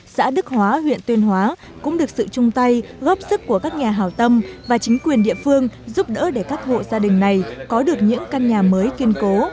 xã đức hóa huyện tuyên hóa cũng được sự chung tay góp sức của các nhà hào tâm và chính quyền địa phương giúp đỡ để các hộ gia đình này có được những căn nhà mới kiên cố